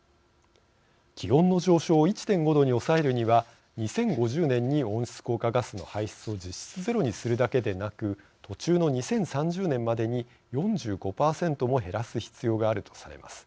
気温の上昇を１．５℃に抑えるには２０５０年に温室効果ガスの排出を実質ゼロにするだけでなく途中の２０３０年までに４５％も減らす必要があるとされます。